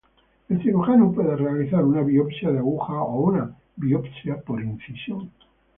El cirujano puede realizar una biopsia de aguja o una biopsia por incisión.